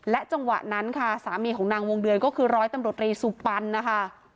จังหวะนั้นค่ะสามีของนางวงเดือนก็คือร้อยตำรวจรีสุปันนะคะ